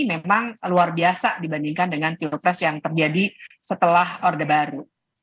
memang luar biasa dibandingkan dengan pilpres yang terjadi setelah orde baru